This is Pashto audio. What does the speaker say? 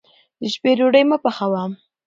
د شپې ډوډۍ مه پخوه.